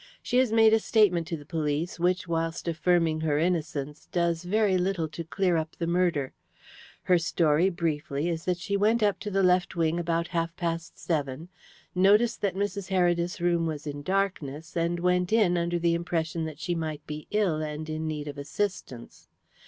She has made a statement to the police, which, whilst affirming her innocence, does very little to clear up the murder. Her story, briefly, is that she went up to the left wing about half past seven, noticed that Mrs. Heredith's room was in darkness, and went in under the impression that she might be ill and in need of assistance.